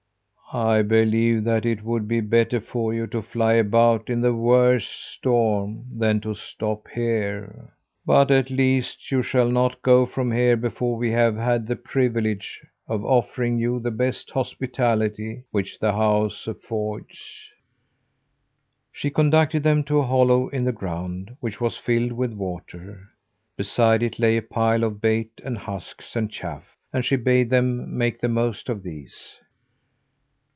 "I believe that it would be better for you to fly about in the worst storm than to stop here. But, at least, you shall not go from here before we have had the privilege of offering you the best hospitality which the house affords." She conducted them to a hollow in the ground, which was filled with water. Beside it lay a pile of bait and husks and chaff; and she bade them make the most of these.